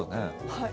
はい。